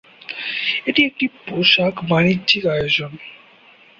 এটি একটি পোশাক বাণিজ্যিক আয়োজন।